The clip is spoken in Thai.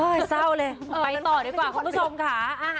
เศร้าเลยไปต่อดีกว่าคุณผู้ชมค่ะ